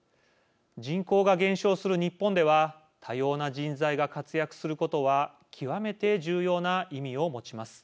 人口が減少する日本では多様な人材が活躍することは極めて重要な意味を持ちます。